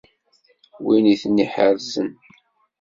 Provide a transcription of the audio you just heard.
Win i ten-iḥerzen.